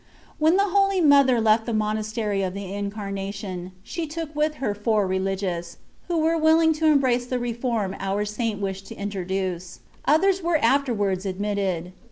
WTien the Holy Mother left the monastery of the Licamation, she took with her four Beligious, who were willing to embrace the "reform" our Saint wished to introduce. Others were afterwards admitted.